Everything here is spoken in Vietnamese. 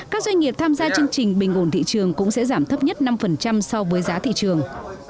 các doanh nghiệp tham gia chương trình bình ổn thị trường cũng sẽ giảm thấp nhất năm so với giá thị trường